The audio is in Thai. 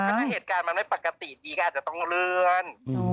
ถ้าเหตุการณ์มันไม่ปกติดีก็อาจจะต้องเลื่อน